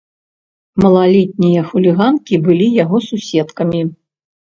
Малалетнія хуліганкі былі яго суседкамі.